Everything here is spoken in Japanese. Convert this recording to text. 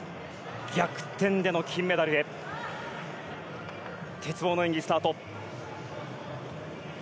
逆転での金メダルへ鉄棒の演技、スタート。